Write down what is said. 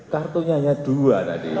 kartunya hanya dua tadi